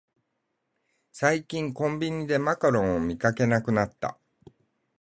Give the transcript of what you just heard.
最近コンビニでマカロンを見かけなくなった